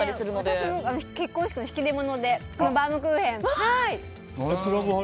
私も、結婚式の引き出物でバームクーヘンを。